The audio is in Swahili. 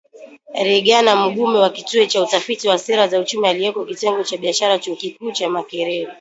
Reagan Mugume wa Kituo cha Utafiti wa Sera za Uchumi, aliyeko Kitengo cha Biashara Chuo Kikuu cha Makerere